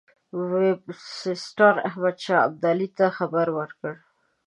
وینسیټار احمدشاه ابدالي ته خبر ورکړ.